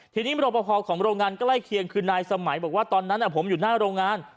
ทีนี้รอปภของโรงงานใกล้เคียงคือนายสมัยบอกว่าตอนนั้นผมอยู่หน้าโรงงาน